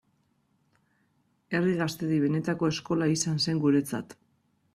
Herri Gaztedi benetako eskola izan zen guretzat.